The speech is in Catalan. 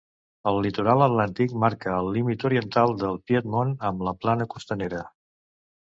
El litoral atlàntic marca el límit oriental del Piedmont amb la plana costanera.